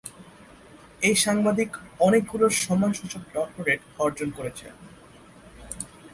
এই সাংবাদিক অনেকগুলো সম্মানসূচক ডক্টরেট অর্জন করেছেন।